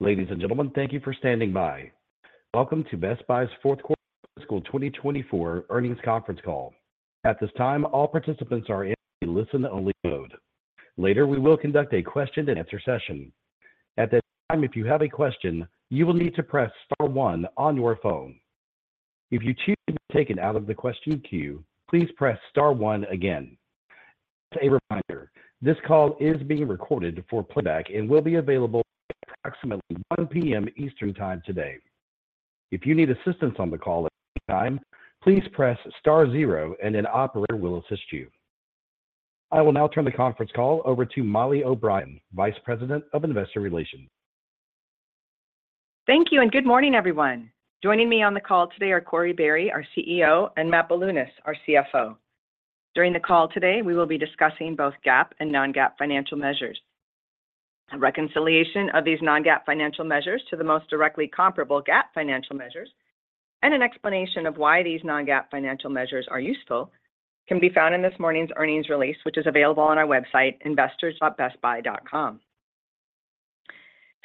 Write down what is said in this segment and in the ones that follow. Ladies and gentlemen, thank you for standing by. Welcome to Best Buy's Fourth Quarter Fiscal 2024 Earnings Conference Call. At this time, all participants are in the listen-only mode. Later, we will conduct a question-and-answer session. At that time, if you have a question, you will need to press star 1 on your phone. If you choose to be taken out of the question queue, please press star 1 again. As a reminder, this call is being recorded for playback and will be available at approximately 1:00 P.M. Eastern Time today. If you need assistance on the call at any time, please press star 0 and an operator will assist you. I will now turn the conference call over to Mollie O'Brien, Vice President of Investor Relations. Thank you and good morning, everyone. Joining me on the call today are Corie Barry, our CEO, and Matt Bilunas, our CFO. During the call today, we will be discussing both GAAP and non-GAAP financial measures. A reconciliation of these non-GAAP financial measures to the most directly comparable GAAP financial measures, and an explanation of why these non-GAAP financial measures are useful, can be found in this morning's earnings release, which is available on our website, investors.bestbuy.com.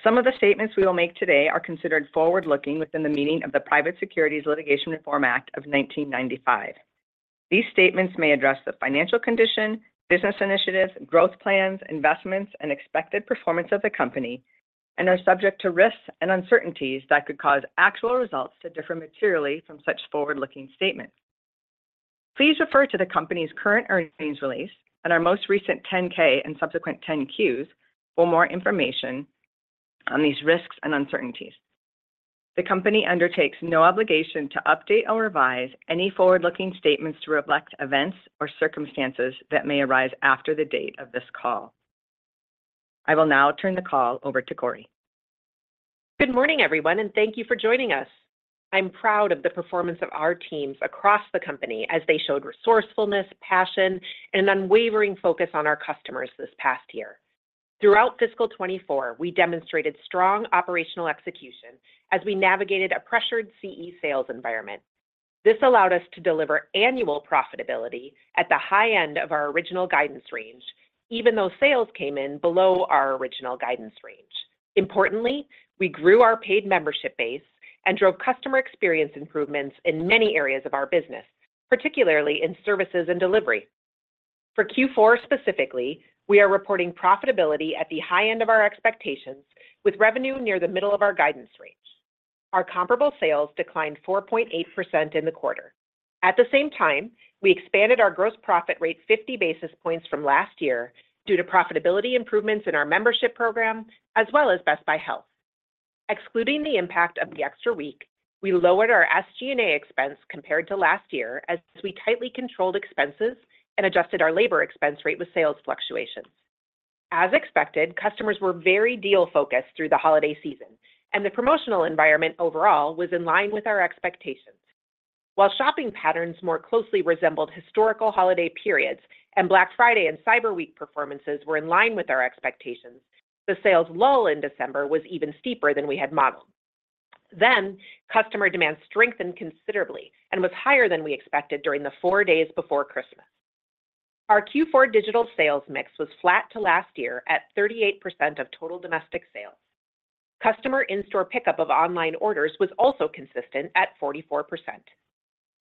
Some of the statements we will make today are considered forward-looking within the meaning of the Private Securities Litigation Reform Act of 1995. These statements may address the financial condition, business initiatives, growth plans, investments, and expected performance of the company, and are subject to risks and uncertainties that could cause actual results to differ materially from such forward-looking statements. Please refer to the company's current earnings release and our most recent 10-K and subsequent 10-Qs for more information on these risks and uncertainties. The company undertakes no obligation to update or revise any forward-looking statements to reflect events or circumstances that may arise after the date of this call. I will now turn the call over to Corie. Good morning, everyone, and thank you for joining us. I'm proud of the performance of our teams across the company as they showed resourcefulness, passion, and an unwavering focus on our customers this past year. Throughout fiscal 2024, we demonstrated strong operational execution as we navigated a pressured CE sales environment. This allowed us to deliver annual profitability at the high end of our original guidance range, even though sales came in below our original guidance range. Importantly, we grew our paid membership base and drove customer experience improvements in many areas of our business, particularly in services and delivery. For Q4 specifically, we are reporting profitability at the high end of our expectations, with revenue near the middle of our guidance range. Our comparable sales declined 4.8% in the quarter. At the same time, we expanded our gross profit rate 50 basis points from last year due to profitability improvements in our membership program as well as Best Buy Health. Excluding the impact of the extra week, we lowered our SG&A expense compared to last year as we tightly controlled expenses and adjusted our labor expense rate with sales fluctuations. As expected, customers were very deal-focused through the holiday season, and the promotional environment overall was in line with our expectations. While shopping patterns more closely resembled historical holiday periods and Black Friday and Cyber Week performances were in line with our expectations, the sales lull in December was even steeper than we had modeled. Then, customer demand strengthened considerably and was higher than we expected during the four days before Christmas. Our Q4 digital sales mix was flat to last year at 38% of total domestic sales. Customer in-store pickup of online orders was also consistent at 44%.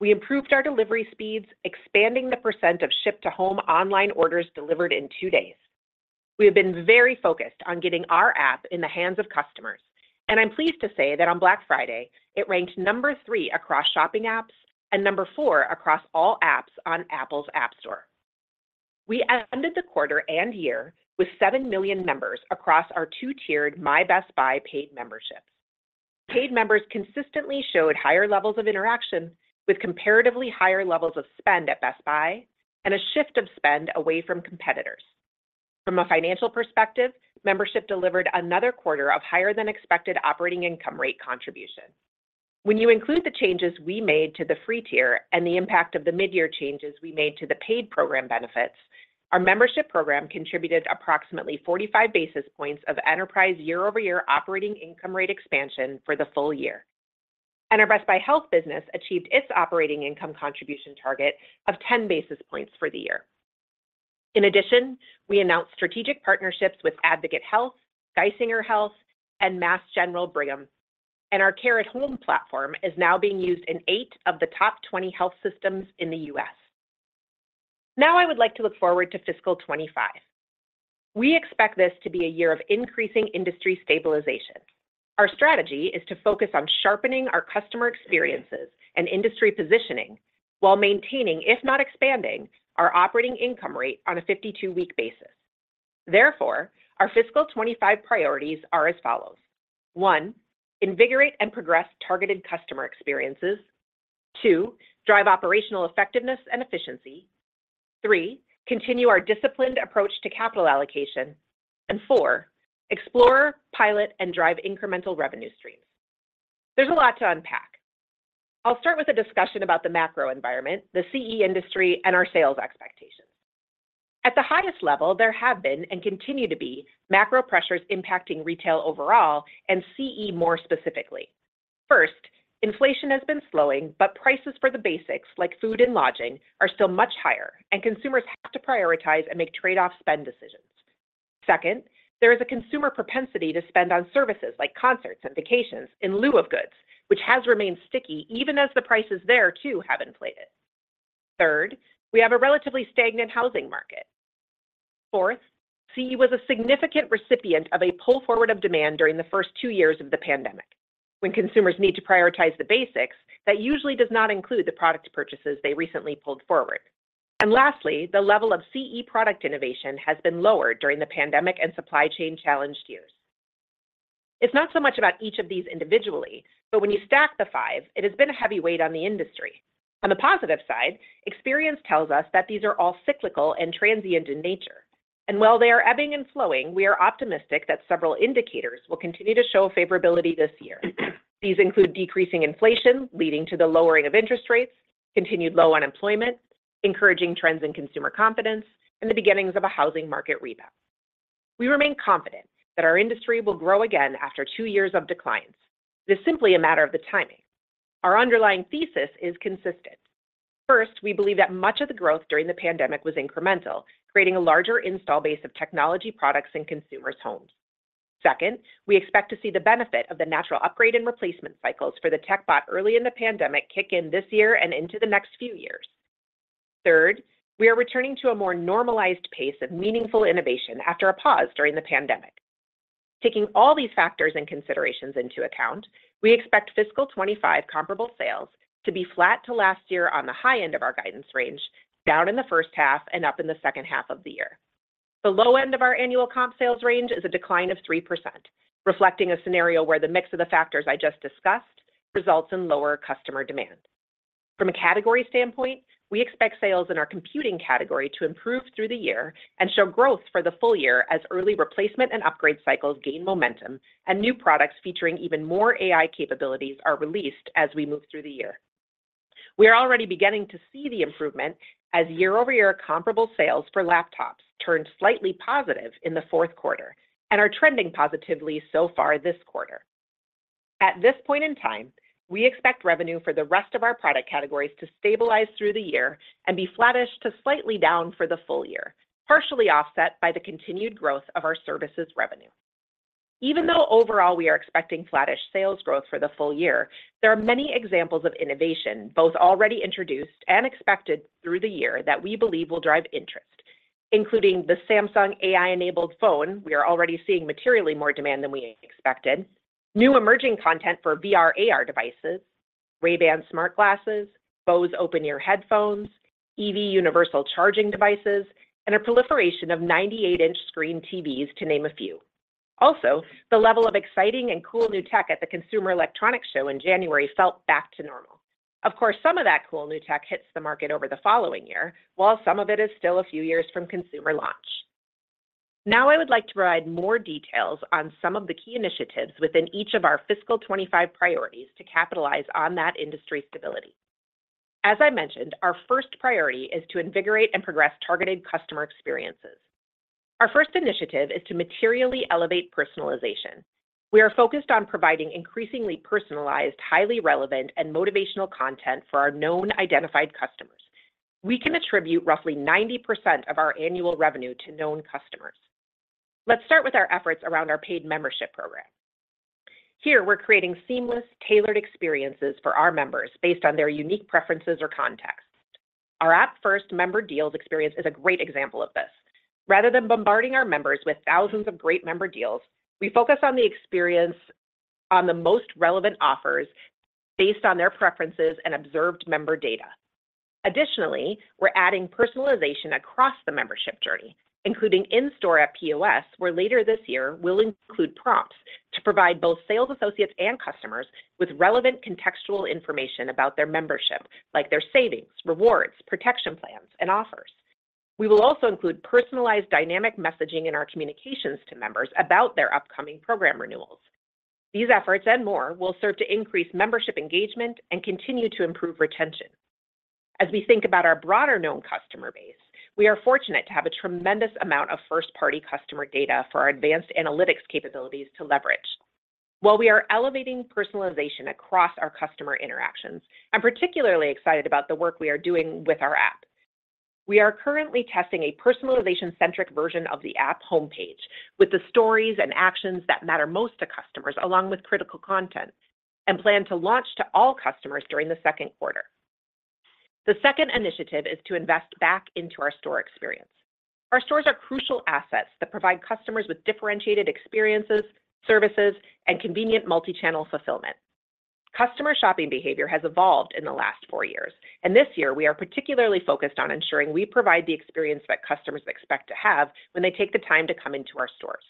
We improved our delivery speeds, expanding the percent of ship-to-home online orders delivered in 2 days. We have been very focused on getting our app in the hands of customers, and I'm pleased to say that on Black Friday, it ranked number 3 across shopping apps and number 4 across all apps on Apple's App Store. We ended the quarter and year with 7 million members across our two-tiered My Best Buy paid memberships. Paid members consistently showed higher levels of interaction with comparatively higher levels of spend at Best Buy and a shift of spend away from competitors. From a financial perspective, membership delivered another quarter of higher-than-expected operating income rate contribution. When you include the changes we made to the free tier and the impact of the mid-year changes we made to the paid program benefits, our membership program contributed approximately 45 basis points of enterprise year-over-year operating income rate expansion for the full year. Our Best Buy Health business achieved its operating income contribution target of 10 basis points for the year. In addition, we announced strategic partnerships with Advocate Health, Geisinger Health, and Mass General Brigham, and our care-at-home platform is now being used in eight of the top 20 health systems in the US. Now I would like to look forward to fiscal 2025. We expect this to be a year of increasing industry stabilization. Our strategy is to focus on sharpening our customer experiences and industry positioning while maintaining, if not expanding, our operating income rate on a 52-week basis. Therefore, our fiscal 2025 priorities are as follows: 1. Invigorate and progress targeted customer experiences. 2. Drive operational effectiveness and efficiency. 3. Continue our disciplined approach to capital allocation. 4. Explore, pilot, and drive incremental revenue streams. There's a lot to unpack. I'll start with a discussion about the macro environment, the CE industry, and our sales expectations. At the highest level, there have been and continue to be macro pressures impacting retail overall and CE more specifically. First, inflation has been slowing, but prices for the basics, like food and lodging, are still much higher, and consumers have to prioritize and make trade-off spend decisions. Second, there is a consumer propensity to spend on services like concerts and vacations in lieu of goods, which has remained sticky even as the prices there, too, have inflated. Third, we have a relatively stagnant housing market. Fourth, CE was a significant recipient of a pull forward of demand during the first two years of the pandemic. When consumers need to prioritize the basics, that usually does not include the product purchases they recently pulled forward. And lastly, the level of CE product innovation has been lowered during the pandemic and supply chain challenged years. It's not so much about each of these individually, but when you stack the five, it has been a heavyweight on the industry. On the positive side, experience tells us that these are all cyclical and transient in nature. And while they are ebbing and flowing, we are optimistic that several indicators will continue to show favorability this year. These include decreasing inflation leading to the lowering of interest rates, continued low unemployment, encouraging trends in consumer confidence, and the beginnings of a housing market rebound. We remain confident that our industry will grow again after two years of declines. It is simply a matter of the timing. Our underlying thesis is consistent. First, we believe that much of the growth during the pandemic was incremental, creating a larger install base of technology products in consumers' homes. Second, we expect to see the benefit of the natural upgrade and replacement cycles for the tech bought early in the pandemic kick in this year and into the next few years. Third, we are returning to a more normalized pace of meaningful innovation after a pause during the pandemic. Taking all these factors and considerations into account, we expect fiscal 2025 comparable sales to be flat to last year on the high end of our guidance range, down in the first half and up in the second half of the year. The low end of our annual comp sales range is a decline of 3%, reflecting a scenario where the mix of the factors I just discussed results in lower customer demand. From a category standpoint, we expect sales in our computing category to improve through the year and show growth for the full year as early replacement and upgrade cycles gain momentum and new products featuring even more AI capabilities are released as we move through the year. We are already beginning to see the improvement as year-over-year comparable sales for laptops turned slightly positive in the fourth quarter and are trending positively so far this quarter. At this point in time, we expect revenue for the rest of our product categories to stabilize through the year and be flattish to slightly down for the full year, partially offset by the continued growth of our services revenue. Even though overall we are expecting flattish sales growth for the full year, there are many examples of innovation, both already introduced and expected through the year, that we believe will drive interest, including the Samsung AI-enabled phone we are already seeing materially more demand than we expected, new emerging content for VR/AR devices, Ray-Ban smart glasses, Bose open-ear headphones, EV universal charging devices, and a proliferation of 98-inch screen TVs to name a few. Also, the level of exciting and cool new tech at the Consumer Electronics Show in January felt back to normal. Of course, some of that cool new tech hits the market over the following year, while some of it is still a few years from consumer launch. Now I would like to provide more details on some of the key initiatives within each of our fiscal 2025 priorities to capitalize on that industry stability. As I mentioned, our first priority is to invigorate and progress targeted customer experiences. Our first initiative is to materially elevate personalization. We are focused on providing increasingly personalized, highly relevant, and motivational content for our known identified customers. We can attribute roughly 90% of our annual revenue to known customers. Let's start with our efforts around our paid membership program. Here, we're creating seamless, tailored experiences for our members based on their unique preferences or contexts. Our app-first member deals experience is a great example of this. Rather than bombarding our members with thousands of great member deals, we focus on the experience on the most relevant offers based on their preferences and observed member data. Additionally, we're adding personalization across the membership journey, including in-store at POS, where later this year we'll include prompts to provide both sales associates and customers with relevant contextual information about their membership, like their savings, rewards, protection plans, and offers. We will also include personalized dynamic messaging in our communications to members about their upcoming program renewals. These efforts and more will serve to increase membership engagement and continue to improve retention. As we think about our broader known customer base, we are fortunate to have a tremendous amount of first-party customer data for our advanced analytics capabilities to leverage. While we are elevating personalization across our customer interactions, I'm particularly excited about the work we are doing with our app. We are currently testing a personalization-centric version of the app homepage with the stories and actions that matter most to customers, along with critical content, and plan to launch to all customers during the second quarter. The second initiative is to invest back into our store experience. Our stores are crucial assets that provide customers with differentiated experiences, services, and convenient multi-channel fulfillment. Customer shopping behavior has evolved in the last four years, and this year we are particularly focused on ensuring we provide the experience that customers expect to have when they take the time to come into our stores.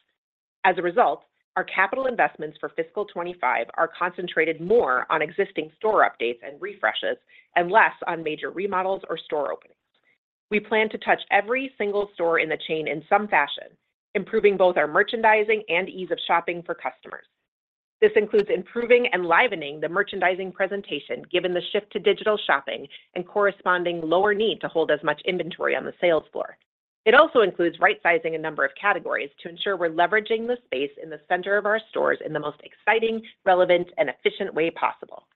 As a result, our capital investments for fiscal 2025 are concentrated more on existing store updates and refreshes and less on major remodels or store openings. We plan to touch every single store in the chain in some fashion, improving both our merchandising and ease of shopping for customers. This includes improving and livening the merchandising presentation given the shift to digital shopping and corresponding lower need to hold as much inventory on the sales floor. It also includes right-sizing a number of categories to ensure we're leveraging the space in the center of our stores in the most exciting, relevant, and efficient way possible.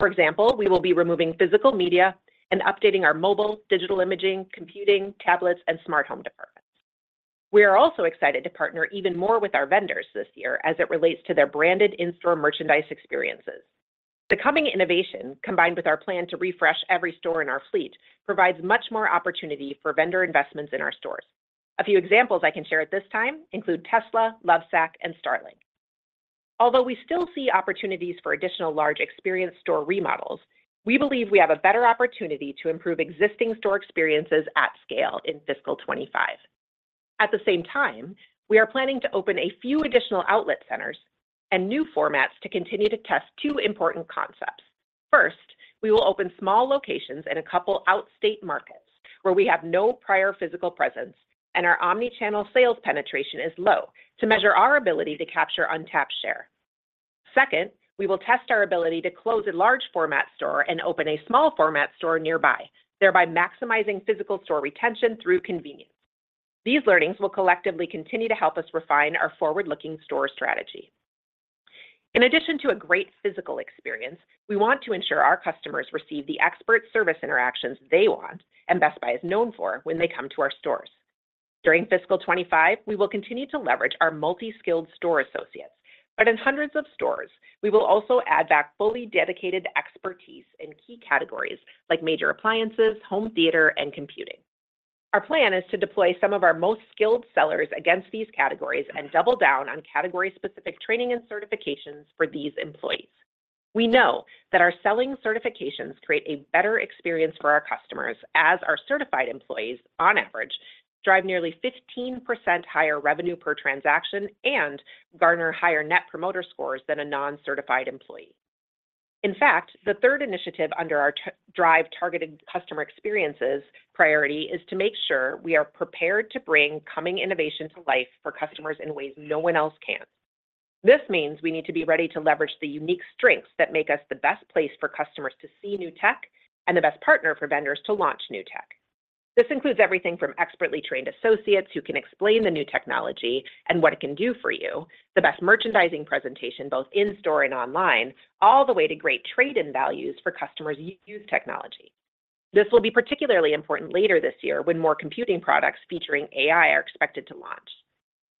For example, we will be removing physical media and updating our mobile, digital imaging, computing, tablets, and smart home departments. We are also excited to partner even more with our vendors this year as it relates to their branded in-store merchandise experiences. The coming innovation, combined with our plan to refresh every store in our fleet, provides much more opportunity for vendor investments in our stores. A few examples I can share at this time include Tesla, Lovesac, and Starlink. Although we still see opportunities for additional large experience store remodels, we believe we have a better opportunity to improve existing store experiences at scale in fiscal 2025. At the same time, we are planning to open a few additional outlet centers and new formats to continue to test two important concepts. First, we will open small locations in a couple of outstate markets where we have no prior physical presence and our omnichannel sales penetration is low to measure our ability to capture untapped share. Second, we will test our ability to close a large format store and open a small format store nearby, thereby maximizing physical store retention through convenience. These learnings will collectively continue to help us refine our forward-looking store strategy. In addition to a great physical experience, we want to ensure our customers receive the expert service interactions they want and Best Buy is known for when they come to our stores. During fiscal 2025, we will continue to leverage our multi-skilled store associates, but in hundreds of stores, we will also add back fully dedicated expertise in key categories like major appliances, home theater, and computing. Our plan is to deploy some of our most skilled sellers against these categories and double down on category-specific training and certifications for these employees. We know that our selling certifications create a better experience for our customers as our certified employees, on average, drive nearly 15% higher revenue per transaction and garner higher net promoter scores than a non-certified employee. In fact, the third initiative under our Drive Targeted Customer Experiences priority is to make sure we are prepared to bring coming innovation to life for customers in ways no one else can. This means we need to be ready to leverage the unique strengths that make us the best place for customers to see new tech and the best partner for vendors to launch new tech. This includes everything from expertly trained associates who can explain the new technology and what it can do for you, the best merchandising presentation both in-store and online, all the way to great trade-in values for customers who use technology. This will be particularly important later this year when more computing products featuring AI are expected to launch.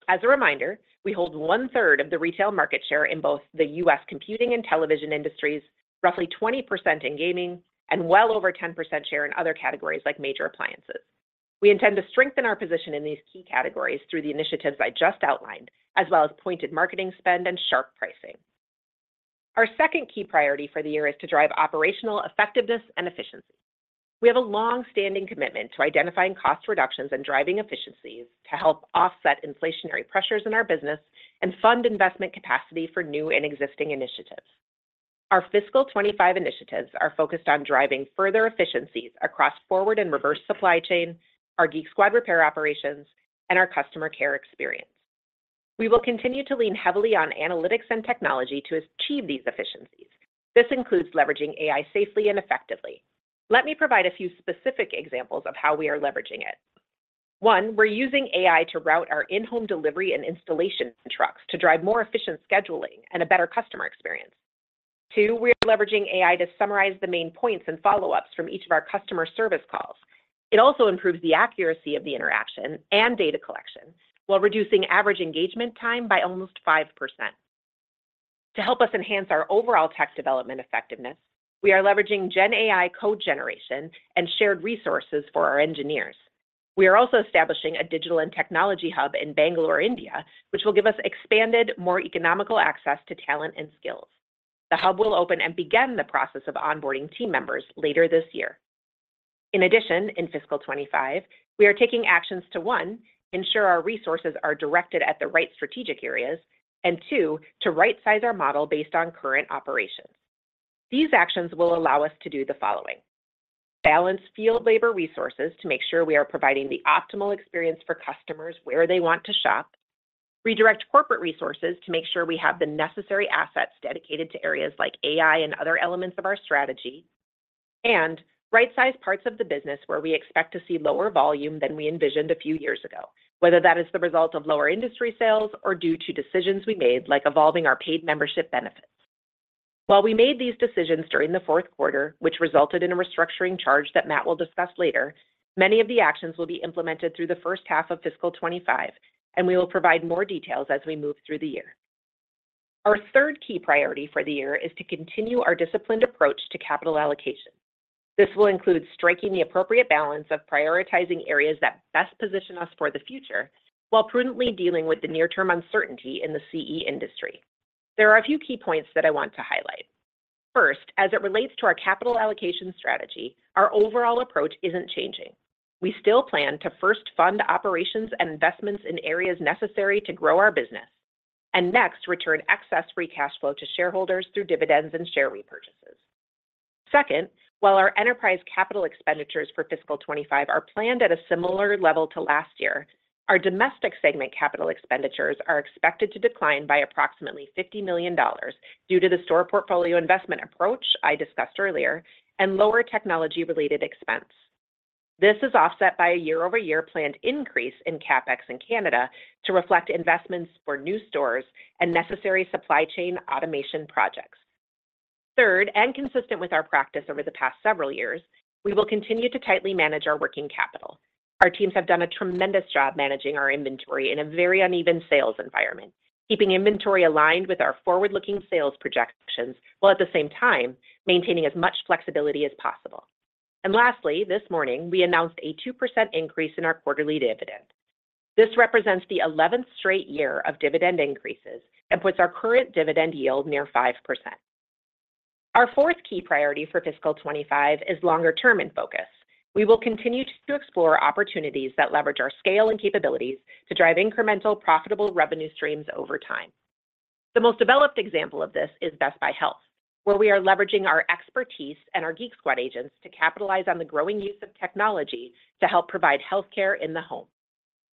As a reminder, we hold one-third of the retail market share in both the U.S. computing and television industries, roughly 20% in gaming, and well over 10% share in other categories like major appliances. We intend to strengthen our position in these key categories through the initiatives I just outlined, as well as pointed marketing spend and sharp pricing. Our second key priority for the year is to drive operational effectiveness and efficiency. We have a long-standing commitment to identifying cost reductions and driving efficiencies to help offset inflationary pressures in our business and fund investment capacity for new and existing initiatives. Our fiscal 2025 initiatives are focused on driving further efficiencies across forward and reverse supply chain, our Geek Squad repair operations, and our customer care experience. We will continue to lean heavily on analytics and technology to achieve these efficiencies. This includes leveraging AI safely and effectively. Let me provide a few specific examples of how we are leveraging it. One, we're using AI to route our in-home delivery and installation trucks to drive more efficient scheduling and a better customer experience. Two, we are leveraging AI to summarize the main points and follow-ups from each of our customer service calls. It also improves the accuracy of the interaction and data collection while reducing average engagement time by almost 5%. To help us enhance our overall tech development effectiveness, we are leveraging GenAI code generation and shared resources for our engineers. We are also establishing a digital and technology hub in Bangalore, India, which will give us expanded, more economical access to talent and skills. The hub will open and begin the process of onboarding team members later this year. In addition, in fiscal 2025, we are taking actions to, one, ensure our resources are directed at the right strategic areas, and two, to right-size our model based on current operations. These actions will allow us to do the following: balance field labor resources to make sure we are providing the optimal experience for customers where they want to shop; redirect corporate resources to make sure we have the necessary assets dedicated to areas like AI and other elements of our strategy; and right-size parts of the business where we expect to see lower volume than we envisioned a few years ago, whether that is the result of lower industry sales or due to decisions we made like evolving our paid membership benefits. While we made these decisions during the fourth quarter, which resulted in a restructuring charge that Matt will discuss later, many of the actions will be implemented through the first half of fiscal 2025, and we will provide more details as we move through the year. Our third key priority for the year is to continue our disciplined approach to capital allocation. This will include striking the appropriate balance of prioritizing areas that best position us for the future while prudently dealing with the near-term uncertainty in the CE industry. There are a few key points that I want to highlight. First, as it relates to our capital allocation strategy, our overall approach isn't changing. We still plan to first fund operations and investments in areas necessary to grow our business, and next return excess free cash flow to shareholders through dividends and share repurchases. Second, while our enterprise capital expenditures for fiscal 2025 are planned at a similar level to last year, our domestic segment capital expenditures are expected to decline by approximately $50 million due to the store portfolio investment approach I discussed earlier and lower technology-related expense. This is offset by a year-over-year planned increase in CapEx in Canada to reflect investments for new stores and necessary supply chain automation projects. Third, and consistent with our practice over the past several years, we will continue to tightly manage our working capital. Our teams have done a tremendous job managing our inventory in a very uneven sales environment, keeping inventory aligned with our forward-looking sales projections while at the same time maintaining as much flexibility as possible. Lastly, this morning, we announced a 2% increase in our quarterly dividend. This represents the 11th straight year of dividend increases and puts our current dividend yield near 5%. Our fourth key priority for fiscal 2025 is longer-term in focus. We will continue to explore opportunities that leverage our scale and capabilities to drive incremental profitable revenue streams over time. The most developed example of this is Best Buy Health, where we are leveraging our expertise and our Geek Squad agents to capitalize on the growing use of technology to help provide healthcare in the home.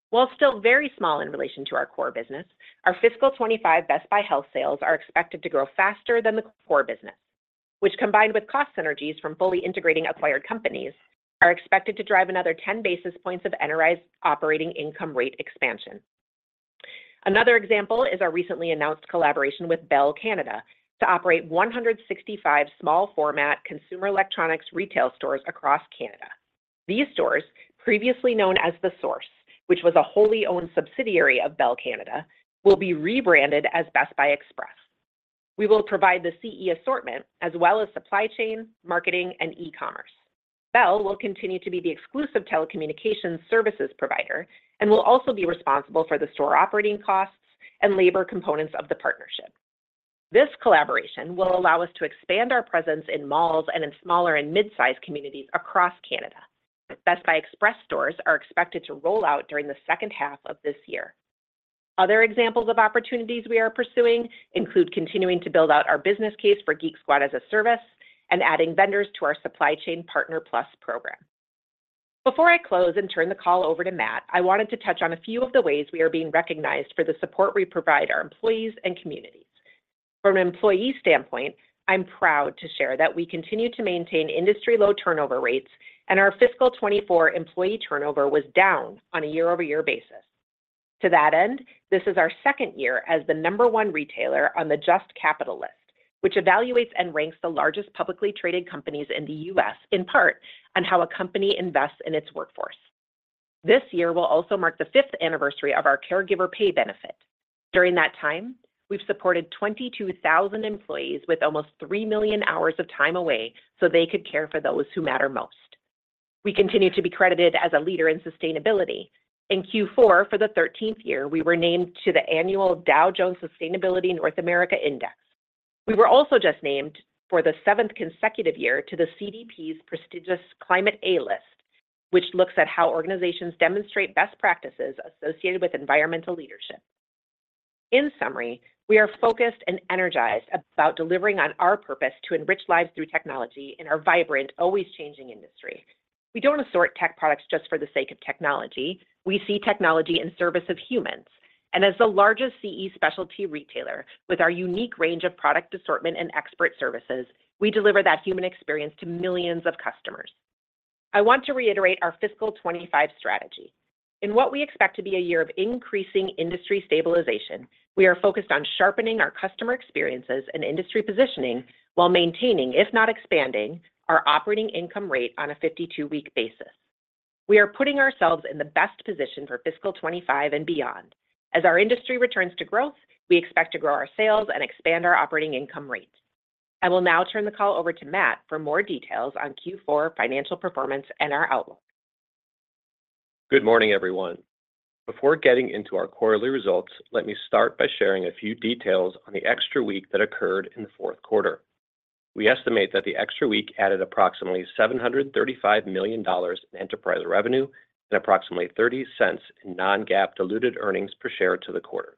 While still very small in relation to our core business, our fiscal 2025 Best Buy Health sales are expected to grow faster than the core business, which, combined with cost synergies from fully integrating acquired companies, are expected to drive another 10 basis points of enterprise operating income rate expansion. Another example is our recently announced collaboration with Bell Canada to operate 165 small format consumer electronics retail stores across Canada. These stores, previously known as The Source, which was a wholly owned subsidiary of Bell Canada, will be rebranded as Best Buy Express. We will provide the CE assortment as well as supply chain, marketing, and e-commerce. Bell will continue to be the exclusive telecommunications services provider and will also be responsible for the store operating costs and labor components of the partnership. This collaboration will allow us to expand our presence in malls and in smaller and midsize communities across Canada. Best Buy Express stores are expected to roll out during the second half of this year. Other examples of opportunities we are pursuing include continuing to build out our business case for Geek Squad as a service and adding vendors to our Supply Chain Partner+ program. Before I close and turn the call over to Matt, I wanted to touch on a few of the ways we are being recognized for the support we provide our employees and communities. From an employee standpoint, I'm proud to share that we continue to maintain industry-low turnover rates, and our fiscal 2024 employee turnover was down on a year-over-year basis. To that end, this is our second year as the number one retailer on the JUST Capital list, which evaluates and ranks the largest publicly traded companies in the U.S., in part, on how a company invests in its workforce. This year will also mark the fifth anniversary of our Caregiver Pay benefit. During that time, we've supported 22,000 employees with almost 3 million hours of time away so they could care for those who matter most. We continue to be credited as a leader in sustainability. In Q4 for the 13th year, we were named to the annual Dow Jones Sustainability North America Index. We were also just named for the seventh consecutive year to the CDP's prestigious Climate A List, which looks at how organizations demonstrate best practices associated with environmental leadership. In summary, we are focused and energized about delivering on our purpose to enrich lives through technology in our vibrant, always changing industry. We don't assort tech products just for the sake of technology. We see technology in service of humans. And as the largest CE specialty retailer, with our unique range of product assortment and expert services, we deliver that human experience to millions of customers. I want to reiterate our fiscal 2025 strategy. In what we expect to be a year of increasing industry stabilization, we are focused on sharpening our customer experiences and industry positioning while maintaining, if not expanding, our operating income rate on a 52-week basis. We are putting ourselves in the best position for fiscal 2025 and beyond. As our industry returns to growth, we expect to grow our sales and expand our operating income rate. I will now turn the call over to Matt for more details on Q4 financial performance and our outlook. Good morning, everyone. Before getting into our quarterly results, let me start by sharing a few details on the extra week that occurred in the fourth quarter. We estimate that the extra week added approximately $735 million in enterprise revenue and approximately $0.30 in non-GAAP diluted earnings per share to the quarter.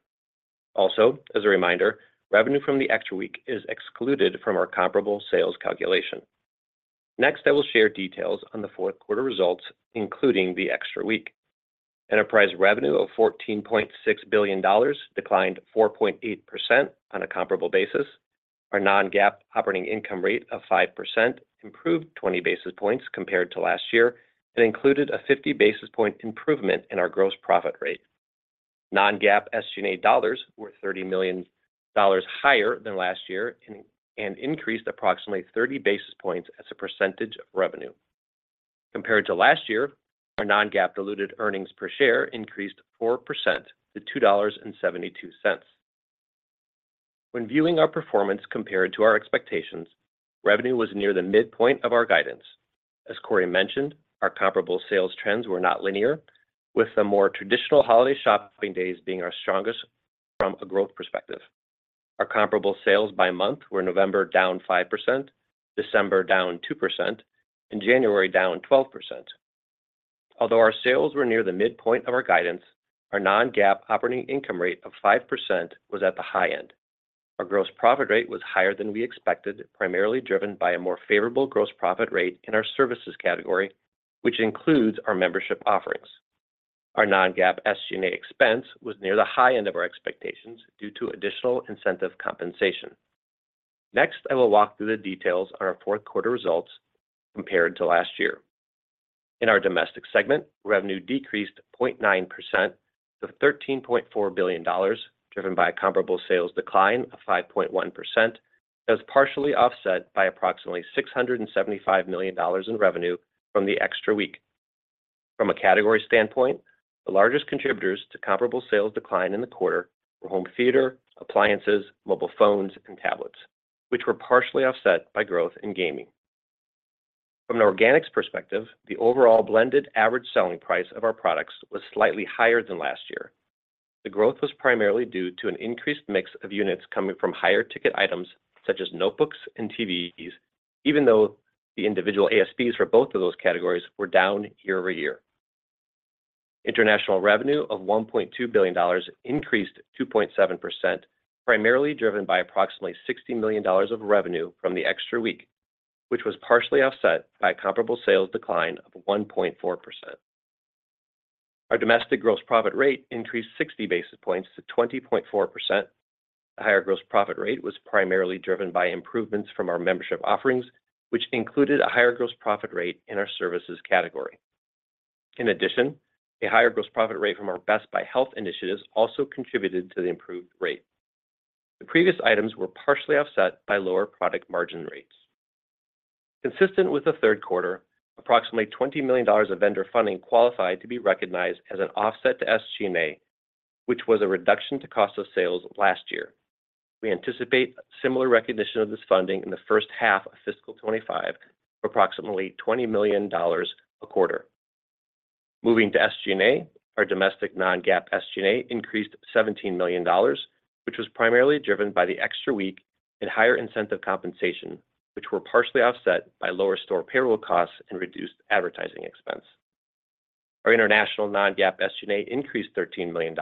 Also, as a reminder, revenue from the extra week is excluded from our comparable sales calculation. Next, I will share details on the fourth quarter results, including the extra week. Enterprise revenue of $14.6 billion declined 4.8% on a comparable basis. Our non-GAAP operating income rate of 5% improved 20 basis points compared to last year and included a 50 basis point improvement in our gross profit rate. Non-GAAP SG&A dollars were $30 million higher than last year and increased approximately 30 basis points as a percentage of revenue. Compared to last year, our non-GAAP diluted earnings per share increased 4% to $2.72. When viewing our performance compared to our expectations, revenue was near the midpoint of our guidance. As Corie mentioned, our comparable sales trends were not linear, with the more traditional holiday shopping days being our strongest from a growth perspective. Our comparable sales by month were November down 5%, December down 2%, and January down 12%. Although our sales were near the midpoint of our guidance, our non-GAAP operating income rate of 5% was at the high end. Our gross profit rate was higher than we expected, primarily driven by a more favorable gross profit rate in our services category, which includes our membership offerings. Our non-GAAP SG&A expense was near the high end of our expectations due to additional incentive compensation. Next, I will walk through the details on our fourth quarter results compared to last year. In our domestic segment, revenue decreased 0.9% to $13.4 billion, driven by a comparable sales decline of 5.1% that was partially offset by approximately $675 million in revenue from the extra week. From a category standpoint, the largest contributors to comparable sales decline in the quarter were home theater, appliances, mobile phones, and tablets, which were partially offset by growth in gaming. From an organics perspective, the overall blended average selling price of our products was slightly higher than last year. The growth was primarily due to an increased mix of units coming from higher ticket items such as notebooks and TVs, even though the individual ASPs for both of those categories were down year-over-year. International revenue of $1.2 billion increased 2.7%, primarily driven by approximately $60 million of revenue from the extra week, which was partially offset by a comparable sales decline of 1.4%. Our domestic gross profit rate increased 60 basis points to 20.4%. The higher gross profit rate was primarily driven by improvements from our membership offerings, which included a higher gross profit rate in our services category. In addition, a higher gross profit rate from our Best Buy Health initiatives also contributed to the improved rate. The previous items were partially offset by lower product margin rates. Consistent with the third quarter, approximately $20 million of vendor funding qualified to be recognized as an offset to SG&A, which was a reduction to cost of sales last year. We anticipate similar recognition of this funding in the first half of fiscal 2025 for approximately $20 million a quarter. Moving to SG&A, our domestic non-GAAP SG&A increased $17 million, which was primarily driven by the extra week and higher incentive compensation, which were partially offset by lower store payroll costs and reduced advertising expense. Our international non-GAAP SG&A increased $13 million,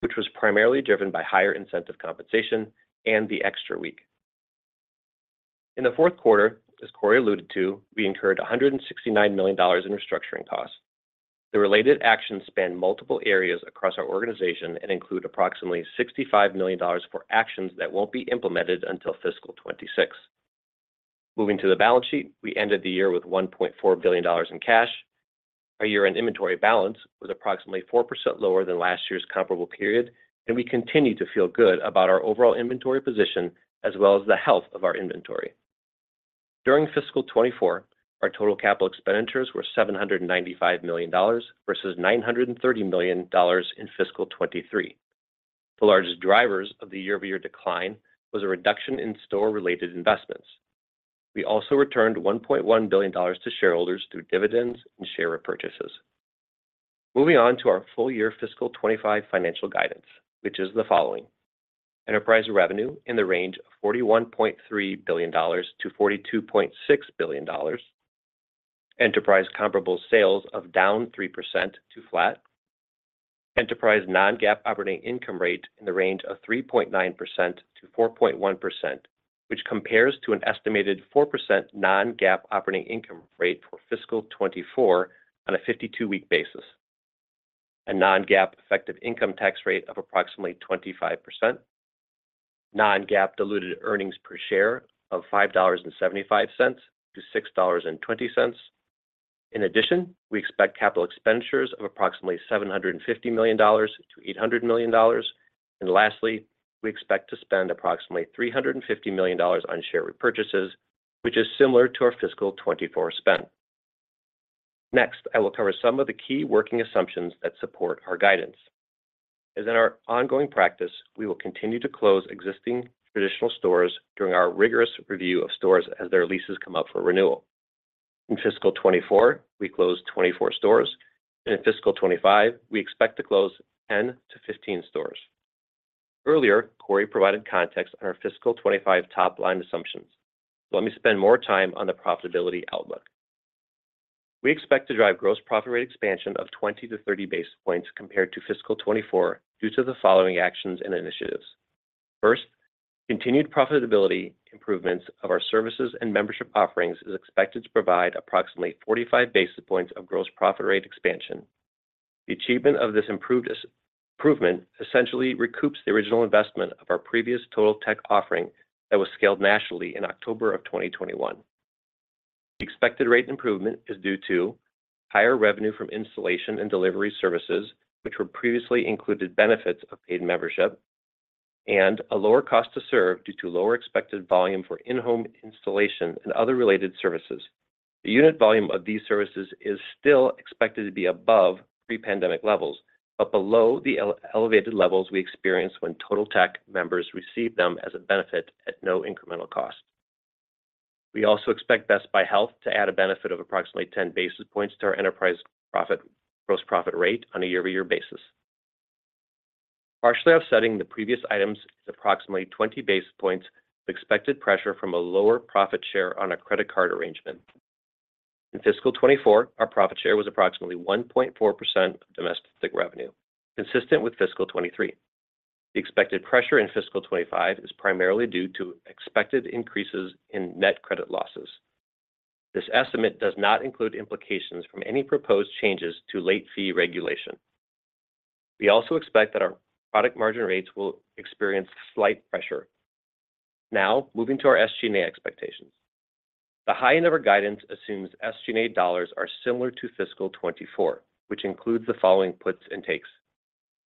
which was primarily driven by higher incentive compensation and the extra week. In the fourth quarter, as Corie alluded to, we incurred $169 million in restructuring costs. The related actions span multiple areas across our organization and include approximately $65 million for actions that won't be implemented until fiscal 2026. Moving to the balance sheet, we ended the year with $1.4 billion in cash. Our year-end inventory balance was approximately 4% lower than last year's comparable period, and we continue to feel good about our overall inventory position as well as the health of our inventory. During fiscal 2024, our total capital expenditures were $795 million versus 930 million in fiscal 2023. The largest drivers of the year-over-year decline were a reduction in store-related investments. We also returned $1.1 billion to shareholders through dividends and share repurchases. Moving on to our full-year fiscal 2025 financial guidance, which is the following: Enterprise revenue in the range of $41.3 billion-42.6 billion; enterprise comparable sales of down 3% to flat; enterprise non-GAAP operating income rate in the range of 3.9%-4.1%, which compares to an estimated 4% non-GAAP operating income rate for fiscal 2024 on a 52-week basis; a non-GAAP effective income tax rate of approximately 25%; non-GAAP diluted earnings per share of $5.75-6.20. In addition, we expect capital expenditures of approximately $750 million-800 million. Lastly, we expect to spend approximately $350 million on share repurchases, which is similar to our fiscal 2024 spend. Next, I will cover some of the key working assumptions that support our guidance. As in our ongoing practice, we will continue to close existing traditional stores during our rigorous review of stores as their leases come up for renewal. In fiscal 2024, we closed 24 stores. In fiscal 2025, we expect to close 10-15 stores. Earlier, Corie provided context on our fiscal 2025 top-line assumptions, so let me spend more time on the profitability outlook. We expect to drive gross profit rate expansion of 20-30 basis points compared to fiscal 2024 due to the following actions and initiatives. First, continued profitability improvements of our services and membership offerings is expected to provide approximately 45 basis points of gross profit rate expansion. The achievement of this improvement essentially recoups the original investment of our previous Totaltech offering that was scaled nationally in October of 2021. The expected rate improvement is due to higher revenue from installation and delivery services, which previously included benefits of paid membership, and a lower cost to serve due to lower expected volume for in-home installation and other related services. The unit volume of these services is still expected to be above pre-pandemic levels but below the elevated levels we experienced when Totaltech members received them as a benefit at no incremental cost. We also expect Best Buy Health to add a benefit of approximately 10 basis points to our enterprise gross profit rate on a year-over-year basis. Partially offsetting the previous items is approximately 20 basis points of expected pressure from a lower profit share on a credit card arrangement. In fiscal 2024, our profit share was approximately 1.4% of domestic revenue, consistent with fiscal 2023. The expected pressure in fiscal 2025 is primarily due to expected increases in net credit losses. This estimate does not include implications from any proposed changes to late fee regulation. We also expect that our product margin rates will experience slight pressure. Now, moving to our SG&A expectations. The high end of our guidance assumes SG&A dollars are similar to fiscal 2024, which includes the following puts and takes: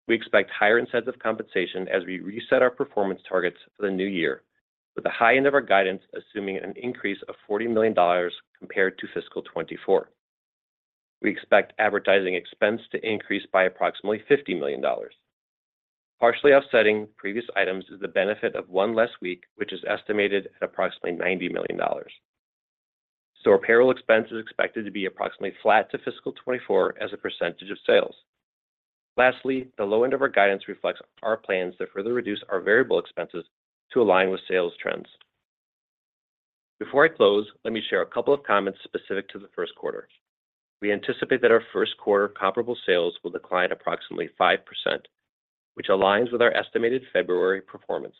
we expect higher incentive compensation as we reset our performance targets for the new year, with the high end of our guidance assuming an increase of $40 million compared to fiscal 2024. We expect advertising expense to increase by approximately $50 million. Partially offsetting previous items is the benefit of one less week, which is estimated at approximately $90 million. Store payroll expense is expected to be approximately flat to fiscal 2024 as a percentage of sales. Lastly, the low end of our guidance reflects our plans to further reduce our variable expenses to align with sales trends. Before I close, let me share a couple of comments specific to the first quarter. We anticipate that our first quarter comparable sales will decline approximately 5%, which aligns with our estimated February performance.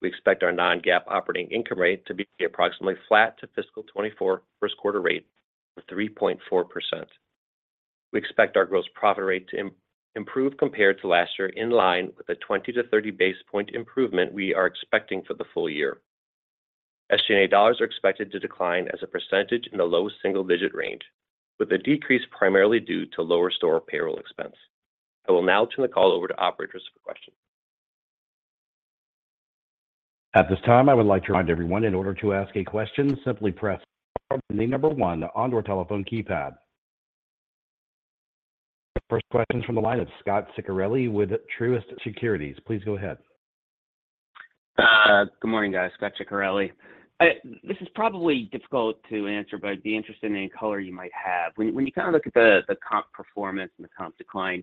We expect our non-GAAP operating income rate to be approximately flat to fiscal 2024 first quarter rate of 3.4%. We expect our gross profit rate to improve compared to last year in line with the 20-30 basis point improvement we are expecting for the full year. SG&A dollars are expected to decline as a percentage in the low single-digit range, with a decrease primarily due to lower store payroll expense. I will now turn the call over to operators for questions. At this time, I would like to remind everyone, in order to ask a question, simply press number one on your telephone keypad. First question's from the line of Scot Ciccarelli with Truist Securities. Please go ahead. Good morning, guys. Scott Ciccarelli. This is probably difficult to answer, but I'd be interested in the color you might have. When you kind of look at the comp performance and the comp decline,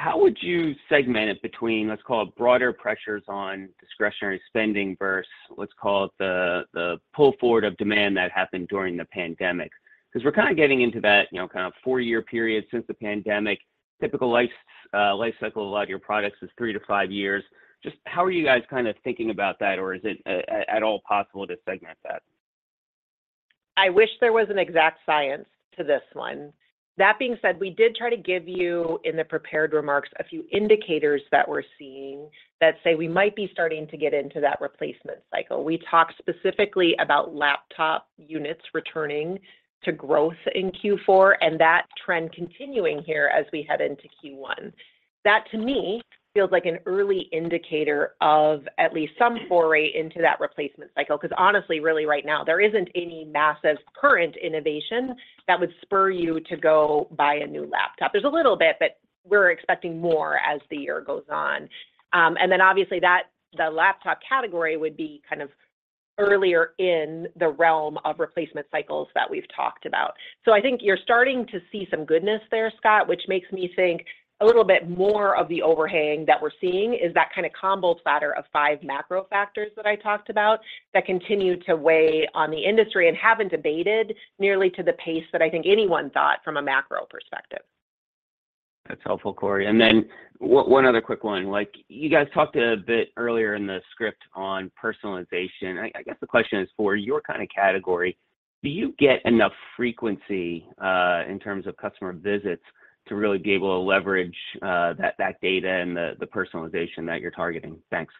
how would you segment it between, let's call it, broader pressures on discretionary spending versus, let's call it, the pull forward of demand that happened during the pandemic? Because we're kind of getting into that kind of four-year period since the pandemic. Typical life cycle of a lot of your products is three to five years. Just how are you guys kind of thinking about that, or is it at all possible to segment that? I wish there was an exact science to this one. That being said, we did try to give you, in the prepared remarks, a few indicators that we're seeing that say we might be starting to get into that replacement cycle. We talked specifically about laptop units returning to growth in Q4 and that trend continuing here as we head into Q1. That, to me, feels like an early indicator of at least some foray into that replacement cycle because, honestly, really right now, there isn't any massive current innovation that would spur you to go buy a new laptop. There's a little bit, but we're expecting more as the year goes on. And then, obviously, the laptop category would be kind of earlier in the realm of replacement cycles that we've talked about. So I think you're starting to see some goodness there, Scot, which makes me think a little bit more of the overhang that we're seeing is that kind of combo platter of five macro factors that I talked about that continue to weigh on the industry and haven't abated nearly to the pace that I think anyone thought from a macro perspective. That's helpful, Corie. And then one other quick one. You guys talked a bit earlier in the script on personalization. I guess the question is, for your kind of category, do you get enough frequency in terms of customer visits to really be able to leverage that data and the personalization that you're targeting? Thanks.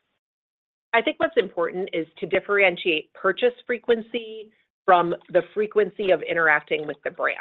I think what's important is to differentiate purchase frequency from the frequency of interacting with the brand.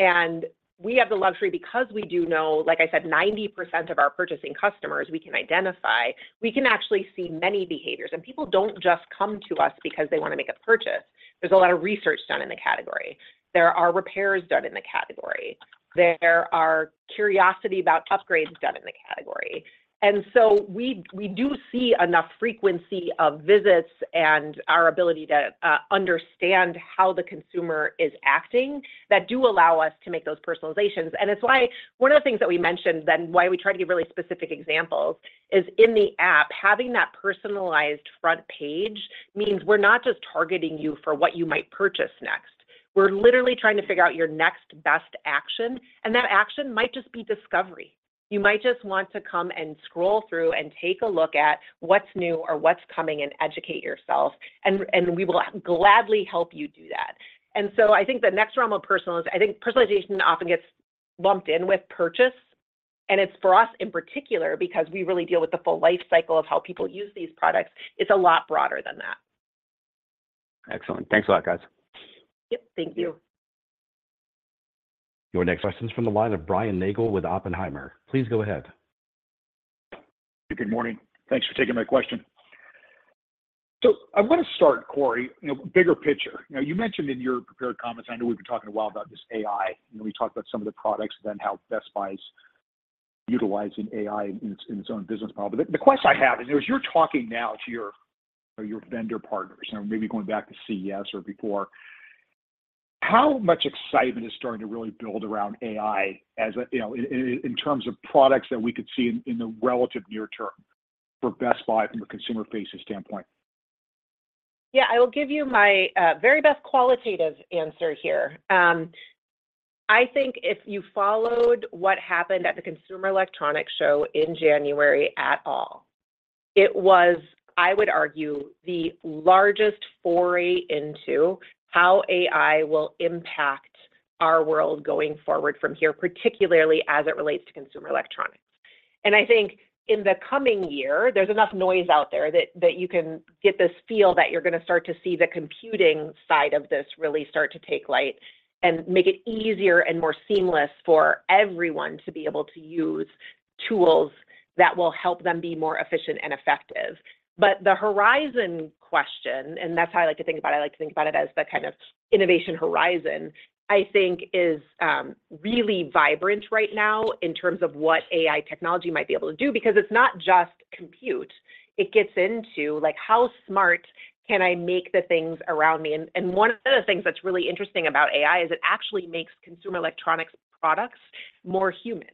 And we have the luxury, because we do know, like I said, 90% of our purchasing customers we can identify, we can actually see many behaviors. And people don't just come to us because they want to make a purchase. There's a lot of research done in the category. There are repairs done in the category. There are curiosity about upgrades done in the category. And so we do see enough frequency of visits and our ability to understand how the consumer is acting that do allow us to make those personalizations. And it's why one of the things that we mentioned, then why we tried to give really specific examples, is in the app, having that personalized front page means we're not just targeting you for what you might purchase next. We're literally trying to figure out your next best action. And that action might just be discovery. You might just want to come and scroll through and take a look at what's new or what's coming and educate yourself. And we will gladly help you do that. And so I think the next realm of personalization I think personalization often gets lumped in with purchase. And it's for us in particular because we really deal with the full life cycle of how people use these products. It's a lot broader than that. Excellent. Thanks a lot, guys. Yep. Thank you. Your next question's from the line of Brian Nagel with Oppenheimer. Please go ahead. Good morning. Thanks for taking my question. I want to start, Corie, bigger picture. You mentioned in your prepared comments I know we've been talking a while about just AI. We talked about some of the products and then how Best Buy's utilizing AI in its own business model. The question I have is, as you're talking now to your vendor partners, maybe going back to CES or before, how much excitement is starting to really build around AI in terms of products that we could see in the relative near term for Best Buy from a consumer-facing standpoint? Yeah. I will give you my very best qualitative answer here. I think if you followed what happened at the Consumer Electronics Show in January at all, it was, I would argue, the largest foray into how AI will impact our world going forward from here, particularly as it relates to consumer electronics. And I think in the coming year, there's enough noise out there that you can get this feel that you're going to start to see the computing side of this really start to take light and make it easier and more seamless for everyone to be able to use tools that will help them be more efficient and effective. But the horizon question and that's how I like to think about it. I like to think about it as the kind of innovation horizon. I think it is really vibrant right now in terms of what AI technology might be able to do because it's not just compute. It gets into how smart can I make the things around me? And one of the things that's really interesting about AI is it actually makes consumer electronics products more human.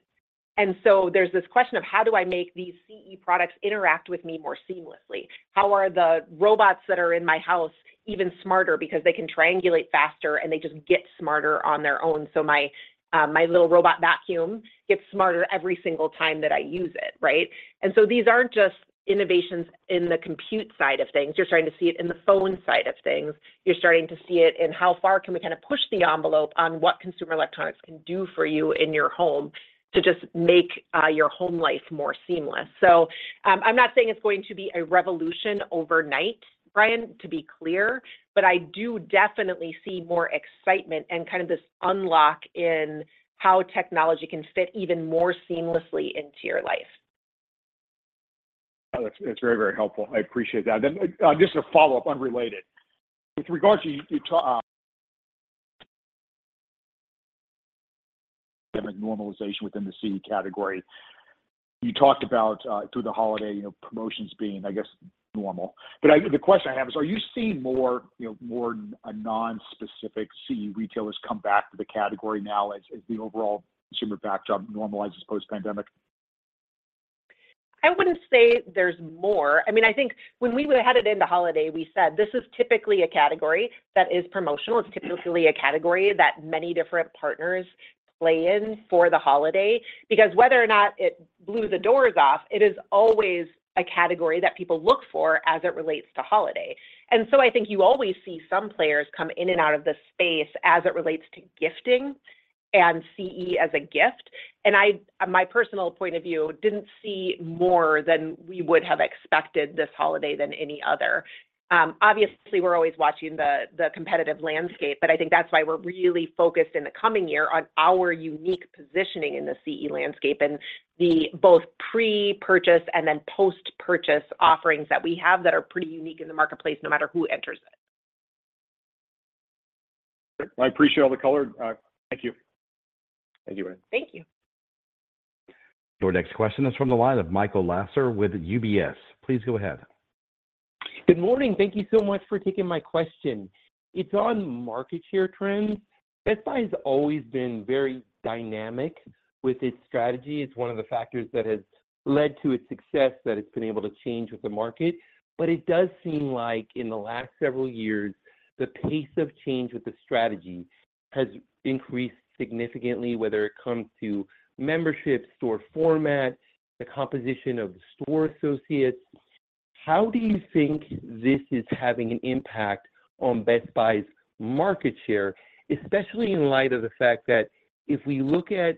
And so there's this question of how do I make these CE products interact with me more seamlessly? How are the robots that are in my house even smarter because they can triangulate faster and they just get smarter on their own? So my little robot vacuum gets smarter every single time that I use it, right? And so these aren't just innovations in the compute side of things. You're starting to see it in the phone side of things. You're starting to see it in how far can we kind of push the envelope on what consumer electronics can do for you in your home to just make your home life more seamless? So I'm not saying it's going to be a revolution overnight, Brian, to be clear, but I do definitely see more excitement and kind of this unlock in how technology can fit even more seamlessly into your life. Oh, that's very, very helpful. I appreciate that. And just a follow-up, unrelated. With regard to you talked about normalization within the CE category. You talked about, through the holiday, promotions being, I guess, normal. But the question I have is, are you seeing more non-specific CE retailers come back to the category now as the overall consumer backdrop normalizes post-pandemic? I wouldn't say there's more. I mean, I think when we headed into holiday, we said, "This is typically a category that is promotional. It's typically a category that many different partners play in for the holiday." Because whether or not it blew the doors off, it is always a category that people look for as it relates to holiday. And so I think you always see some players come in and out of this space as it relates to gifting and CE as a gift. And my personal point of view, didn't see more than we would have expected this holiday than any other. Obviously, we're always watching the competitive landscape, but I think that's why we're really focused in the coming year on our unique positioning in the CE landscape and the both pre-purchase and then post-purchase offerings that we have that are pretty unique in the marketplace no matter who enters it. I appreciate all the color. Thank you. Thank you, Brian. Thank you. Your next question is from the line of Michael Lasser with UBS. Please go ahead. Good morning. Thank you so much for taking my question. It's on market share trends. Best Buy has always been very dynamic with its strategy. It's one of the factors that has led to its success that it's been able to change with the market. But it does seem like, in the last several years, the pace of change with the strategy has increased significantly, whether it comes to membership, store format, the composition of store associates. How do you think this is having an impact on Best Buy's market share, especially in light of the fact that if we look at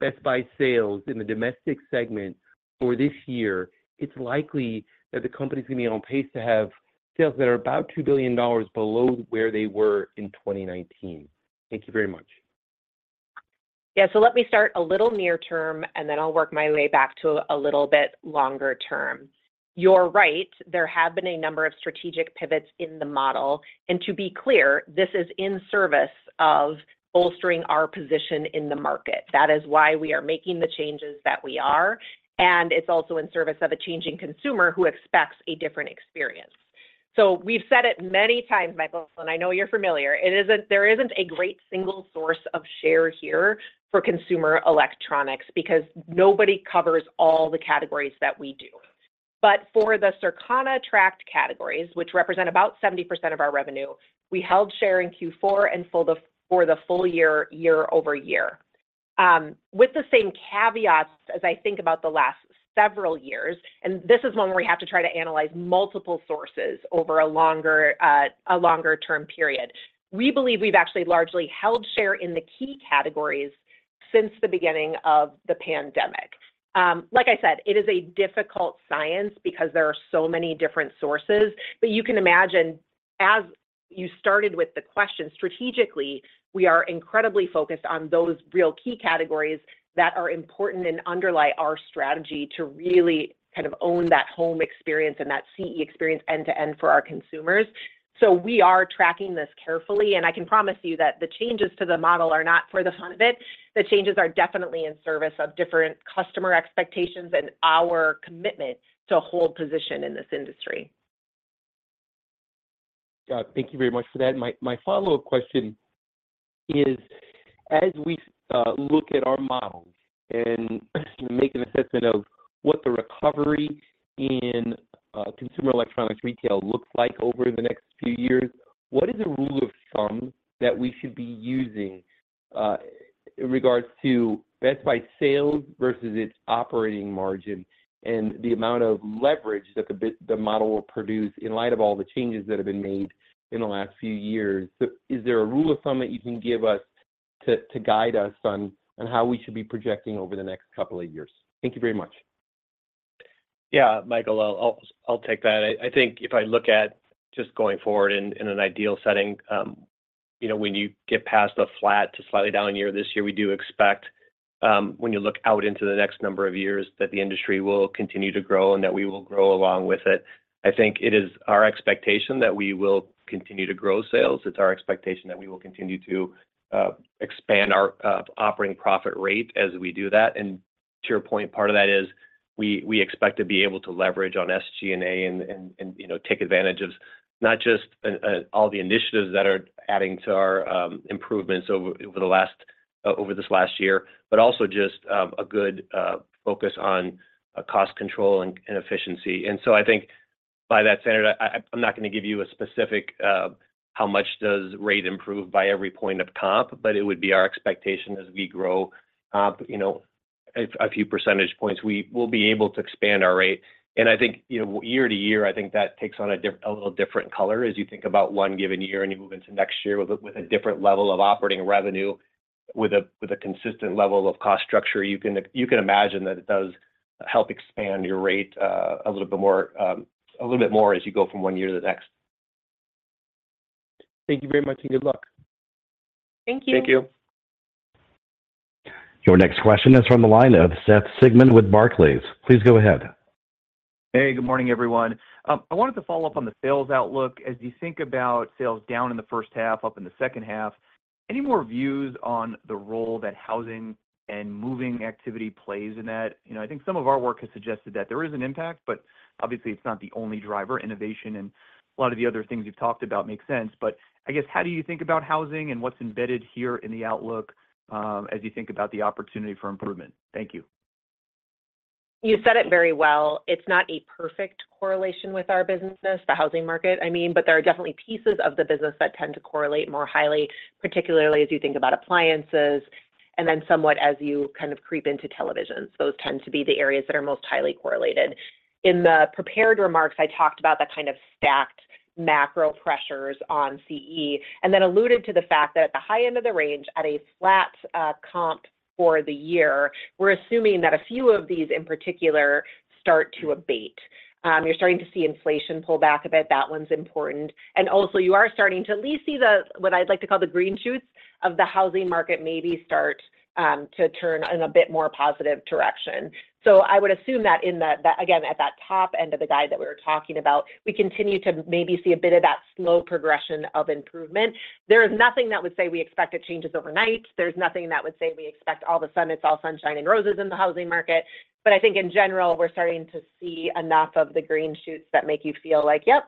Best Buy sales in the domestic segment for this year, it's likely that the company's going to be on pace to have sales that are about $2 billion below where they were in 2019? Thank you very much. Yeah. So let me start a little near-term, and then I'll work my way back to a little bit longer term. You're right. There have been a number of strategic pivots in the model. And to be clear, this is in service of bolstering our position in the market. That is why we are making the changes that we are. And it's also in service of a changing consumer who expects a different experience. So we've said it many times, Michael, and I know you're familiar. There isn't a great single source of share here for consumer electronics because nobody covers all the categories that we do. But for the Circana tracked categories, which represent about 70% of our revenue, we held share in Q4 and for the full year, year-over-year. With the same caveats as I think about the last several years, and this is one where we have to try to analyze multiple sources over a longer-term period. We believe we've actually largely held share in the key categories since the beginning of the pandemic. Like I said, it is a difficult science because there are so many different sources. But you can imagine, as you started with the question, strategically, we are incredibly focused on those real key categories that are important and underlie our strategy to really kind of own that home experience and that CE experience end-to-end for our consumers. So we are tracking this carefully. And I can promise you that the changes to the model are not for the fun of it. The changes are definitely in service of different customer expectations and our commitment to hold position in this industry. Got it. Thank you very much for that. My follow-up question is, as we look at our models and make an assessment of what the recovery in consumer electronics retail looks like over the next few years, what is a rule of thumb that we should be using in regards to Best Buy sales versus its operating margin and the amount of leverage that the model will produce in light of all the changes that have been made in the last few years? Is there a rule of thumb that you can give us to guide us on how we should be projecting over the next couple of years? Thank you very much. Yeah, Michael, I'll take that. I think if I look at just going forward in an ideal setting, when you get past a flat to slightly down year this year, we do expect, when you look out into the next number of years, that the industry will continue to grow and that we will grow along with it. I think it is our expectation that we will continue to grow sales. It's our expectation that we will continue to expand our operating profit rate as we do that. And to your point, part of that is we expect to be able to leverage on SG&A and take advantage of not just all the initiatives that are adding to our improvements over this last year, but also just a good focus on cost control and efficiency. And so I think by that standard, I'm not going to give you a specific how much does rate improve by every point of comp, but it would be our expectation as we grow comp a few percentage points, we will be able to expand our rate. And I think year to year, I think that takes on a little different color as you think about one given year and you move into next year with a different level of operating revenue. With a consistent level of cost structure, you can imagine that it does help expand your rate a little bit more a little bit more as you go from one year to the next. Thank you very much and good luck. Thank you. Thank you. Your next question is from the line of Seth Sigman with Barclays. Please go ahead. Hey, good morning, everyone. I wanted to follow up on the sales outlook. As you think about sales down in the first half, up in the second half, any more views on the role that housing and moving activity plays in that? I think some of our work has suggested that there is an impact, but obviously, it's not the only driver. Innovation and a lot of the other things you've talked about make sense. But I guess, how do you think about housing and what's embedded here in the outlook as you think about the opportunity for improvement? Thank you. You said it very well. It's not a perfect correlation with our business, the housing market, I mean, but there are definitely pieces of the business that tend to correlate more highly, particularly as you think about appliances and then somewhat as you kind of creep into television. So those tend to be the areas that are most highly correlated. In the prepared remarks, I talked about the kind of stacked macro pressures on CE and then alluded to the fact that at the high end of the range, at a flat comp for the year, we're assuming that a few of these in particular start to abate. You're starting to see inflation pull back a bit. That one's important. And also, you are starting to at least see what I'd like to call the green shoots of the housing market maybe start to turn in a bit more positive direction. So I would assume that in that, again, at that top end of the guide that we were talking about, we continue to maybe see a bit of that slow progression of improvement. There is nothing that would say we expect it changes overnight. There's nothing that would say we expect all of a sudden it's all sunshine and roses in the housing market. But I think, in general, we're starting to see enough of the green shoots that make you feel like, "Yep,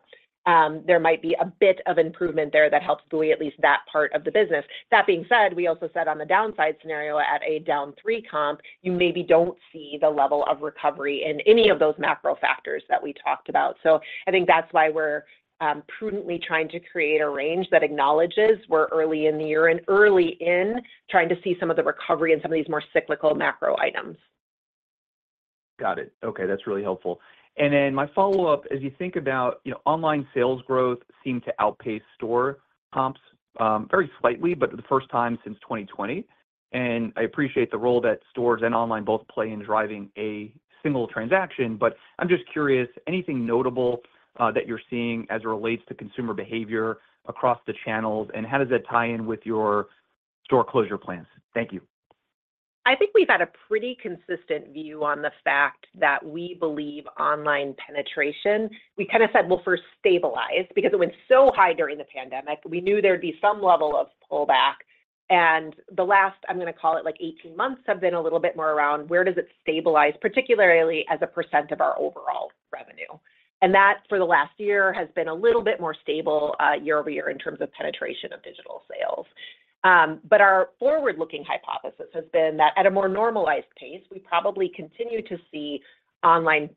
there might be a bit of improvement there that helps buoy at least that part of the business." That being said, we also said on the downside scenario, at a down 3 comp, you maybe don't see the level of recovery in any of those macro factors that we talked about. So I think that's why we're prudently trying to create a range that acknowledges we're early in the year and early in trying to see some of the recovery in some of these more cyclical macro items. Got it. Okay. That's really helpful. And then my follow-up, as you think about online sales growth seem to outpace store comps very slightly, but the first time since 2020. And I appreciate the role that stores and online both play in driving a single transaction. But I'm just curious, anything notable that you're seeing as it relates to consumer behavior across the channels, and how does that tie in with your store closure plans? Thank you. I think we've had a pretty consistent view on the fact that we believe online penetration we kind of said, "We'll first stabilize," because it went so high during the pandemic. We knew there'd be some level of pullback. The last, I'm going to call it like 18 months, have been a little bit more around, "Where does it stabilize, particularly as a % of our overall revenue?" That, for the last year, has been a little bit more stable year-over-year in terms of penetration of digital sales. But our forward-looking hypothesis has been that at a more normalized pace, we probably continue to see online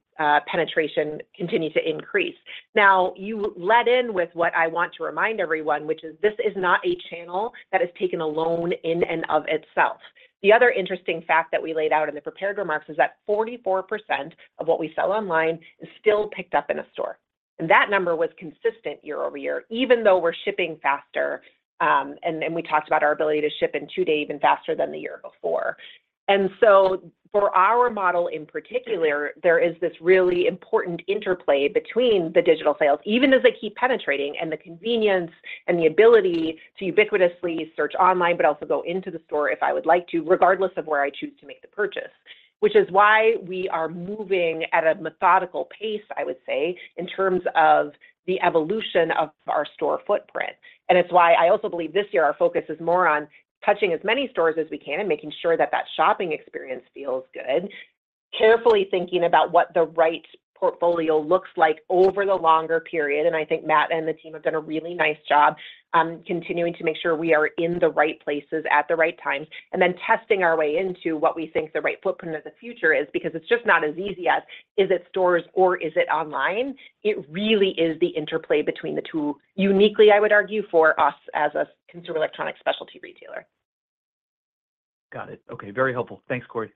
penetration continue to increase. Now, you led in with what I want to remind everyone, which is this is not a channel that has taken alone in and of itself. The other interesting fact that we laid out in the prepared remarks is that 44% of what we sell online is still picked up in a store. That number was consistent year-over-year, even though we're shipping faster. We talked about our ability to ship in two days even faster than the year before. So for our model in particular, there is this really important interplay between the digital sales, even as they keep penetrating, and the convenience and the ability to ubiquitously search online, but also go into the store if I would like to, regardless of where I choose to make the purchase, which is why we are moving at a methodical pace, I would say, in terms of the evolution of our store footprint. It's why I also believe this year, our focus is more on touching as many stores as we can and making sure that that shopping experience feels good, carefully thinking about what the right portfolio looks like over the longer period. I think Matt and the team have done a really nice job continuing to make sure we are in the right places at the right times, and then testing our way into what we think the right footprint of the future is because it's just not as easy as, "Is it stores or is it online?" It really is the interplay between the two, uniquely, I would argue, for us as a consumer electronics specialty retailer. Got it. Okay. Very helpful. Thanks, Corie.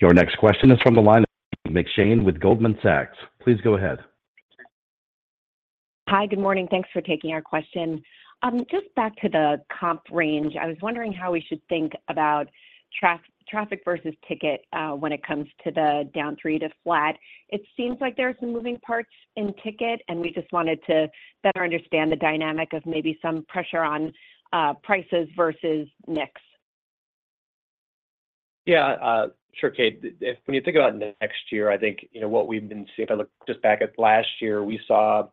Your next question is from the line of Kate McShane with Goldman Sachs. Please go ahead. Hi. Good morning. Thanks for taking our question. Just back to the comp range, I was wondering how we should think about traffic versus ticket when it comes to the down 3 to flat. It seems like there are some moving parts in ticket, and we just wanted to better understand the dynamic of maybe some pressure on prices versus mix. Yeah. Sure, Kate. When you think about next year, I think what we've been seeing if I look just back at last year, we saw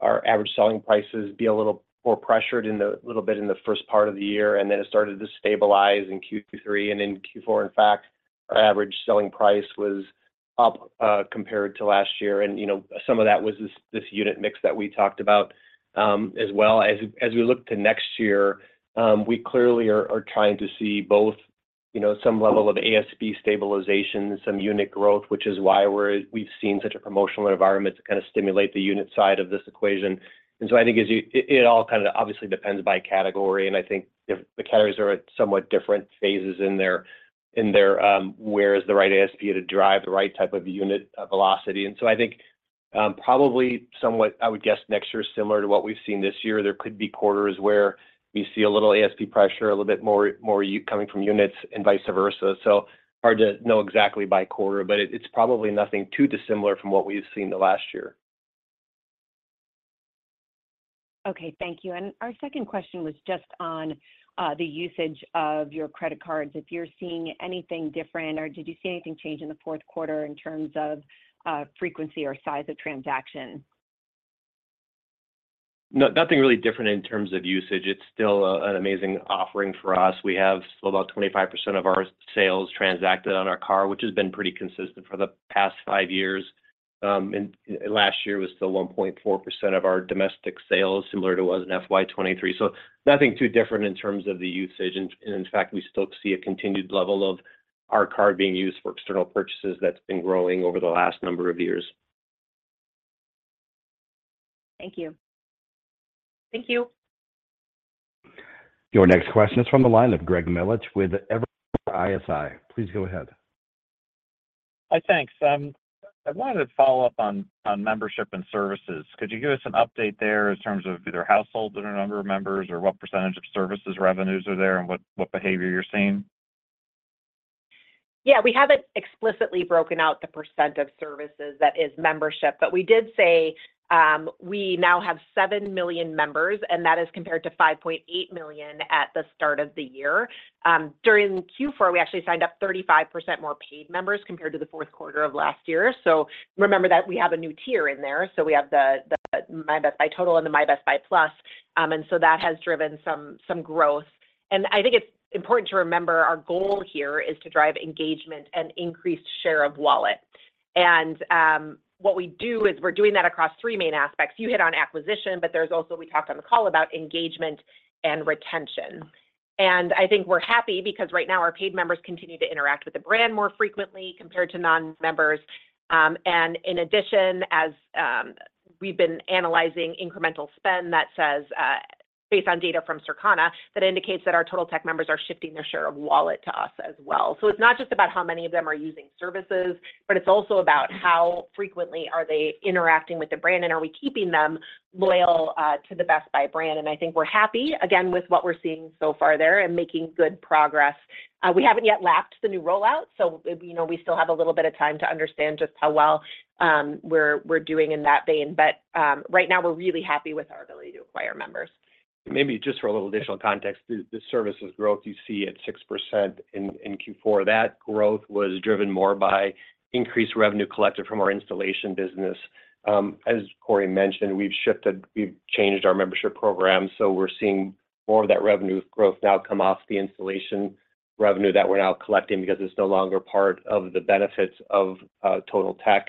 our average selling prices be a little more pressured a little bit in the first part of the year, and then it started to stabilize in Q3. And in Q4, in fact, our average selling price was up compared to last year. And some of that was this unit mix that we talked about as well. As we look to next year, we clearly are trying to see both some level of ASP stabilization, some unit growth, which is why we've seen such a promotional environment to kind of stimulate the unit side of this equation. And so I think it all kind of obviously depends by category. And I think the categories are at somewhat different phases in their where is the right ASP to drive the right type of unit velocity. And so I think probably somewhat, I would guess, next year is similar to what we've seen this year. There could be quarters where we see a little ASP pressure, a little bit more coming from units, and vice versa. So hard to know exactly by quarter, but it's probably nothing too dissimilar from what we've seen the last year. Okay. Thank you. Our second question was just on the usage of your credit cards. If you're seeing anything different, or did you see anything change in the fourth quarter in terms of frequency or size of transaction? Nothing really different in terms of usage. It's still an amazing offering for us. We have still about 25% of our sales transacted on our card, which has been pretty consistent for the past five years. Last year was still 1.4% of our domestic sales, similar to what was in FY 2023. So nothing too different in terms of the usage. And in fact, we still see a continued level of our card being used for external purchases that's been growing over the last number of years. Thank you. Thank you. Your next question is from the line of Greg Melich with Evercore ISI. Please go ahead. Hi, thanks. I wanted to follow up on membership and services. Could you give us an update there in terms of either households or a number of members or what percentage of services revenues are there and what behavior you're seeing? Yeah. We haven't explicitly broken out the percent of services that is membership, but we did say we now have 7 million members, and that is compared to 5.8 million at the start of the year. During Q4, we actually signed up 35% more paid members compared to the fourth quarter of last year. So remember that we have a new tier in there. So we have the My Best Buy Total and the My Best Buy Plus. And so that has driven some growth. And I think it's important to remember our goal here is to drive engagement and increased share of wallet. And what we do is we're doing that across three main aspects. You hit on acquisition, but there's also we talked on the call about engagement and retention. I think we're happy because right now, our paid members continue to interact with the brand more frequently compared to non-members. In addition, as we've been analyzing incremental spend that says based on data from Circana that indicates that our Totaltech members are shifting their share of wallet to us as well. It's not just about how many of them are using services, but it's also about how frequently are they interacting with the brand, and are we keeping them loyal to the Best Buy brand? I think we're happy, again, with what we're seeing so far there and making good progress. We haven't yet lapped the new rollout, so we still have a little bit of time to understand just how well we're doing in that vein. Right now, we're really happy with our ability to acquire members. Maybe just for a little additional context, the services growth you see at 6% in Q4, that growth was driven more by increased revenue collected from our installation business. As Corie mentioned, we've changed our membership program, so we're seeing more of that revenue growth now come off the installation revenue that we're now collecting because it's no longer part of the benefits of Totaltech.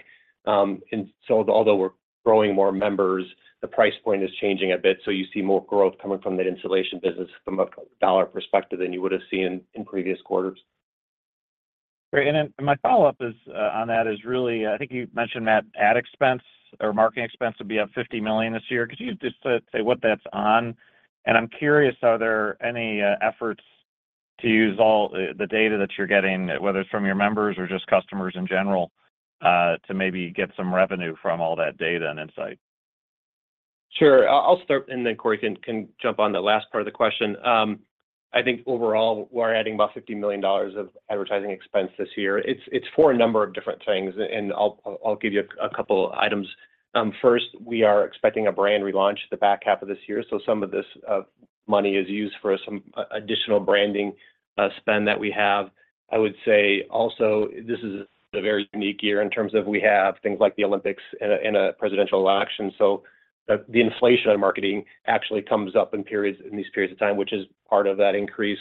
Although we're growing more members, the price point is changing a bit. So you see more growth coming from that installation business from a dollar perspective than you would have seen in previous quarters. Great. My follow-up on that is really I think you mentioned, Matt, ad expense or marketing expense would be up $50 million this year. Could you just say what that's on? And I'm curious, are there any efforts to use all the data that you're getting, whether it's from your members or just customers in general, to maybe get some revenue from all that data and insight? Sure. I'll start, and then Corie can jump on the last part of the question. I think overall, we're adding about $50 million of advertising expense this year. It's for a number of different things, and I'll give you a couple of items. First, we are expecting a brand relaunch the back half of this year. So some of this money is used for some additional branding spend that we have. I would say also, this is a very unique year in terms of we have things like the Olympics and a presidential election. So the inflation on marketing actually comes up in these periods of time, which is part of that increase.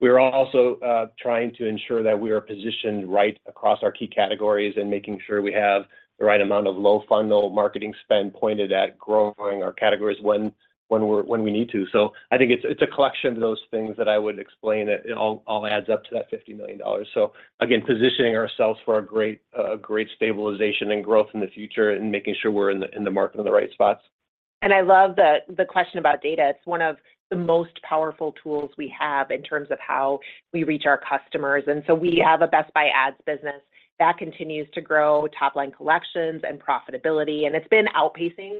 We are also trying to ensure that we are positioned right across our key categories and making sure we have the right amount of low-funnel marketing spend pointed at growing our categories when we need to. I think it's a collection of those things that I would explain that all adds up to that $50 million. Again, positioning ourselves for a great stabilization and growth in the future and making sure we're in the market in the right spots. I love the question about data. It's one of the most powerful tools we have in terms of how we reach our customers. And so we have a Best Buy Ads business that continues to grow top-line collections and profitability. And it's been outpacing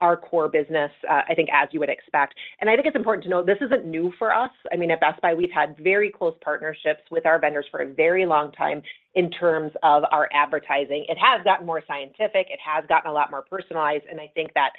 our core business, I think, as you would expect. And I think it's important to note this isn't new for us. I mean, at Best Buy, we've had very close partnerships with our vendors for a very long time in terms of our advertising. It has gotten more scientific. It has gotten a lot more personalized. And I think that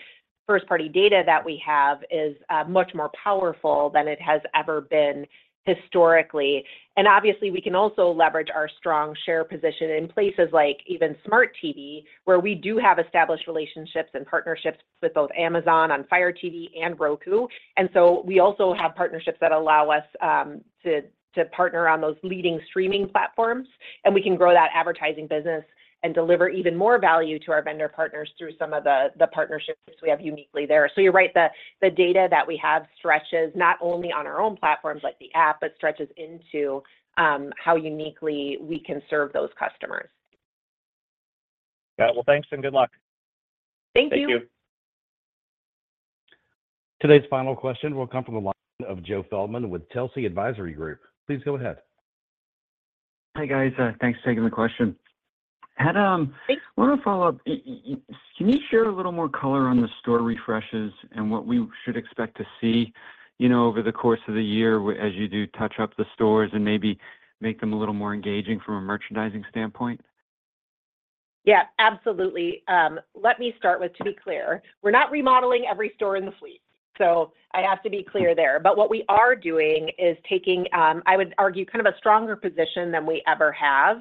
first-party data that we have is much more powerful than it has ever been historically. And obviously, we can also leverage our strong share position in places like even smart TV, where we do have established relationships and partnerships with both Amazon on Fire TV and Roku. And so we also have partnerships that allow us to partner on those leading streaming platforms. And we can grow that advertising business and deliver even more value to our vendor partners through some of the partnerships we have uniquely there. So you're right. The data that we have stretches not only on our own platforms like the app, but stretches into how uniquely we can serve those customers. Got it. Well, thanks and good luck. Thank you. Thank you. Today's final question will come from the line of Joe Feldman with Telsey Advisory Group. Please go ahead. Hi, guys. Thanks for taking the question. I want to follow up. Can you share a little more color on the store refreshes and what we should expect to see over the course of the year as you do touch up the stores and maybe make them a little more engaging from a merchandising standpoint? Yeah, absolutely. Let me start with, to be clear, we're not remodeling every store in the fleet. So I have to be clear there. But what we are doing is taking, I would argue, kind of a stronger position than we ever have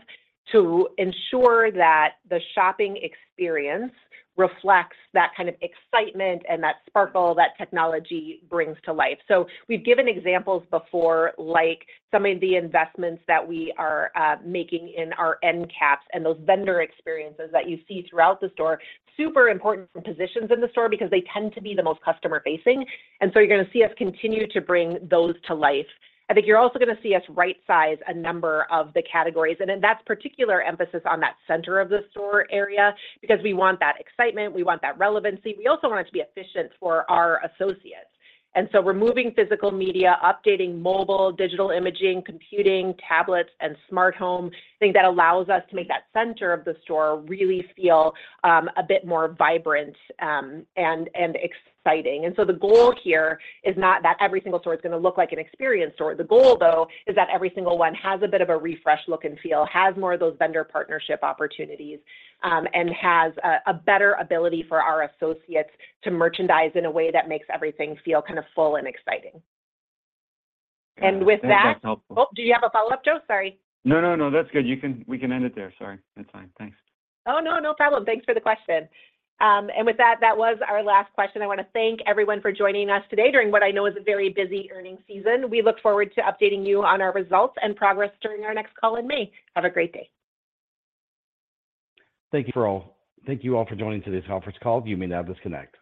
to ensure that the shopping experience reflects that kind of excitement and that sparkle that technology brings to life. So we've given examples before, like some of the investments that we are making in our end caps and those vendor experiences that you see throughout the store, super important positions in the store because they tend to be the most customer-facing. And so you're going to see us continue to bring those to life. I think you're also going to see us right-size a number of the categories. And in that particular emphasis on that center of the store area because we want that excitement. We want that relevancy. We also want it to be efficient for our associates. And so removing physical media, updating mobile, digital imaging, computing, tablets, and smart home, I think that allows us to make that center of the store really feel a bit more vibrant and exciting. And so the goal here is not that every single store is going to look like an experience store. The goal, though, is that every single one has a bit of a refresh look and feel, has more of those vendor partnership opportunities, and has a better ability for our associates to merchandise in a way that makes everything feel kind of full and exciting. And with that. That sounds helpful. Oh, do you have a follow-up, Joe? Sorry. No, no, no. That's good. We can end it there. Sorry. That's fine. Thanks. Oh, no, no problem. Thanks for the question. And with that, that was our last question. I want to thank everyone for joining us today during what I know is a very busy earnings season. We look forward to updating you on our results and progress during our next call in May. Have a great day. Thank you for all. Thank you all for joining today's conference call. You may now disconnect.